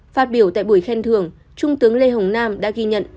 phát biểu tại buổi khen thưởng trung tướng lê hồng nam đã ghi nhận